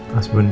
mas bun berarti